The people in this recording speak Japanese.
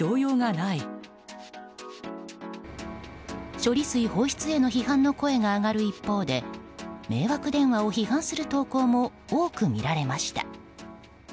処理水放出への批判の声が上がる一方で迷惑電話を批判する投稿も多く見られました。